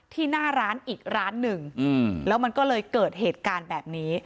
หน้าร้านอีกร้านหนึ่งแล้วมันก็เลยเกิดเหตุการณ์แบบนี้